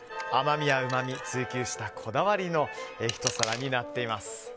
甘みやうまみを追求したこだわりのひと皿になっています。